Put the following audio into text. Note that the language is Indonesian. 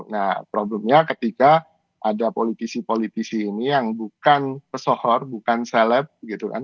nah problemnya ketika ada politisi politisi ini yang bukan pesohor bukan seleb gitu kan